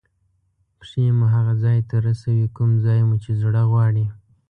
پښې مو هغه ځای ته رسوي کوم ځای مو چې زړه غواړي.